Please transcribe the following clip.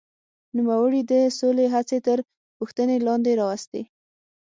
نوموړي د سولې هڅې تر پوښتنې لاندې راوستې.